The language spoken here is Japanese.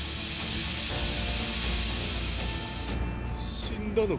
死んだのか？